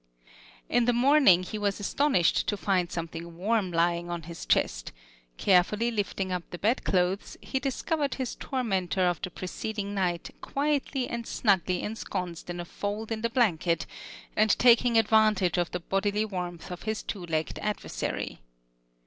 In the morning he was astonished to find something warm lying on his chest; carefully lifting up the bed clothes, he discovered his tormentor of the preceding night quietly and snugly ensconced in a fold in the blanket, and taking advantage of the bodily warmth of his two legged adversary.